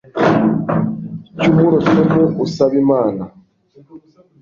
cy umurotemu u asaba imana